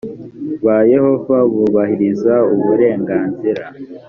ba yehova bubahiriza uburenganzira